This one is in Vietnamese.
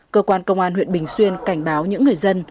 cơ quan công an huyện bình xuyên cảnh báo những người dân